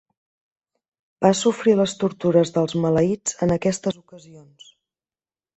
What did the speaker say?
Va sofrir les tortures dels maleïts en aquestes ocasions.